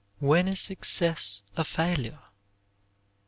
WHEN IS SUCCESS A FAILURE?